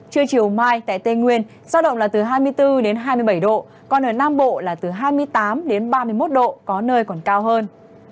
trưa chiều mai tại tây nguyên giao động là từ hai mươi bốn đến hai mươi bảy độ còn ở nam bộ là từ hai mươi tám đến ba mươi một độ có nơi còn cao hơn